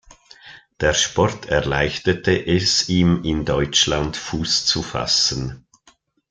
Der Sport erleichterte es ihm in Deutschland Fuß zu fassen.